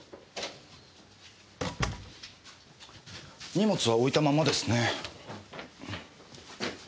荷物は置いたままですね。